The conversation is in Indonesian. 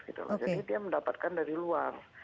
jadi dia mendapatkan dari luar